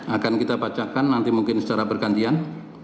akan kita bacakan nanti mungkin secara bergantian